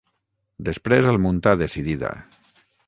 Després el munta decidida.